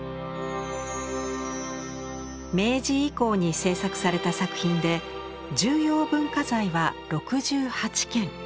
明治以降に制作された作品で重要文化財は６８件。